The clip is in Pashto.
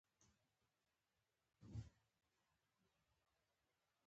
حذيفه رضي الله عنه وايي: